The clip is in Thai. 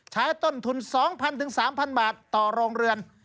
ใช้ต้นทุน๒๐๐๐ถึง๓๐๐๐บาทต่อโรงเรือน